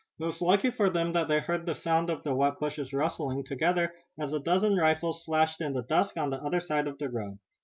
It was lucky for them that they had heard the sound of the wet bushes rustling together, as a dozen rifles flashed in the dusk on the other side of the road.